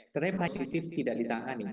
tetapi positif tidak ditangani